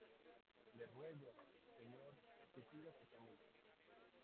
le ruego, señor, que siga su camino.